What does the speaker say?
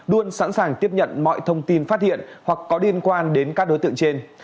luôn sẵn sàng tiếp nhận mọi thông tin phát hiện hoặc có liên quan đến các đối tượng trên